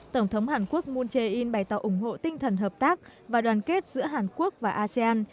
tổng thống hàn quốc moon jae in bày tỏ ủng hộ tinh thần hợp tác và đoàn kết giữa hàn quốc và asean